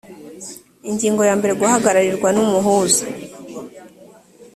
ingingo yambere guhagararirwa n umuhuza